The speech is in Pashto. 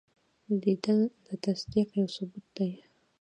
لیدل د تصدیق یو ثبوت دی